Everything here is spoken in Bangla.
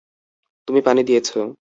তুমি পানি দিয়েছ।